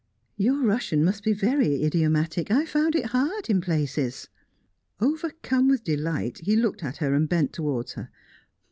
"Your Russian must be very idiomatic. I found it hard in places." Overcome with delight, he looked at her and bent towards her.